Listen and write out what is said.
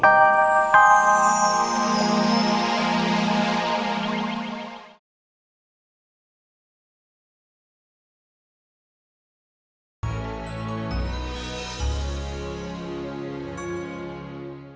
jangan lupa like share dan subscribe